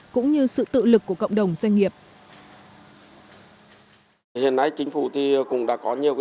cũng như sự tự lực của cộng đồng doanh nghiệp